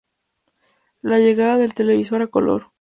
La llegada del televisor a color.